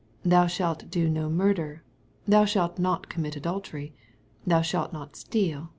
Thou shalt do no murder. Thou shalt not commit adultery. Thou shalt not steal.